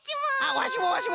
わしもわしも！